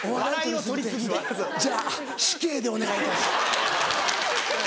じゃあ死刑でお願いいたします。